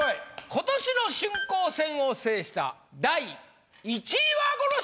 今年の春光戦を制した第１位はこの人！